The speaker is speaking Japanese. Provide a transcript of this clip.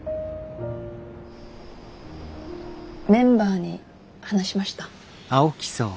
メンバーに話しました。